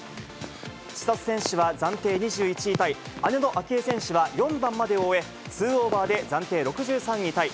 千怜選手は暫定２１位タイ、姉の明愛選手は４番までを終え、ツーオーバーで暫定６３位タイ。